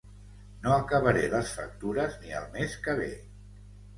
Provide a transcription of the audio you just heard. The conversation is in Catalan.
No acabaré les factures ni el mes que ve